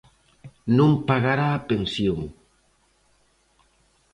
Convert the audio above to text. Non pagará a pensión.